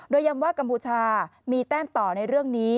โดยย้ำว่ากัมพูชามีแต้มต่อในเรื่องนี้